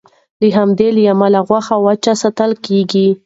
له همدې امله غوښه وچه ساتل کېږي.